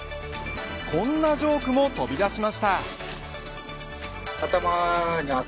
こんなジョークも飛び出しました。